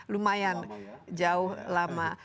lumayan jauh lama